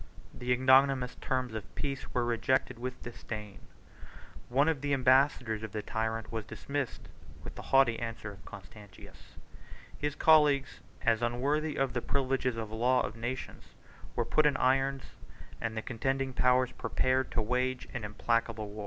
The ignominious terms of peace were rejected with disdain. One of the ambassadors of the tyrant was dismissed with the haughty answer of Constantius; his colleagues, as unworthy of the privileges of the law of nations, were put in irons; and the contending powers prepared to wage an implacable war.